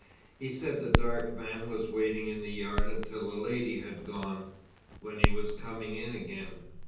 He said the dark man was waiting in the yard until the lady had gone, when he was coming in again."